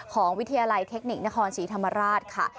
วิทยาลัยเทคนิคนครศรีธรรมราชค่ะ